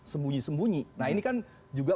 sembunyi sembunyi nah ini kan juga